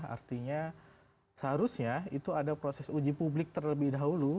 artinya seharusnya itu ada proses uji publik terlebih dahulu